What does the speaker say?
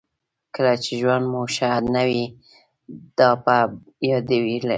کله چې ژوند مو ښه نه وي دا په یاد ولرئ.